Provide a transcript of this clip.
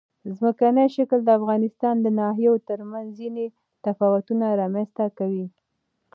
ځمکنی شکل د افغانستان د ناحیو ترمنځ ځینې تفاوتونه رامنځ ته کوي.